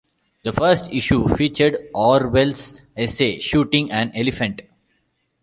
The first issue featured Orwell's essay "Shooting an Elephant".